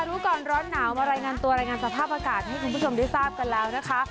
รู้ก่อนร้อนหนาวมารายงานตัวรายงานสภาพอากาศให้คุณผู้ชมได้ทราบกันแล้วนะคะ